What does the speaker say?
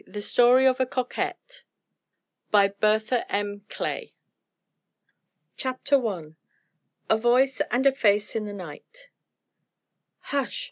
THE STORY OF A COQUETTE. BY CHARLOTTE M. BRAEME. CHAPTER I. A VOICE AND A FACE IN THE NIGHT. "Hush!